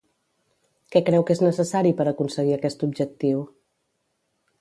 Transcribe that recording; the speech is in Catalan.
Què creu que és necessari per aconseguir aquest objectiu?